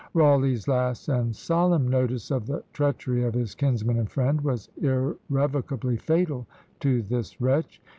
Rawleigh's last and solemn notice of the treachery of his "kinsman and friend" was irrevocably fatal to this wretch.